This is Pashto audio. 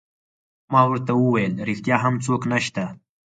ما ورته وویل: ریښتیا هم څوک نشته؟